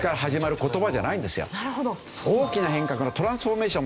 大きな変革のトランスフォーメーション。